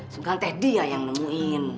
bukan itu dia yang nemuin